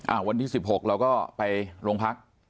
วันที่๑๖เราก็ไปโรงพัก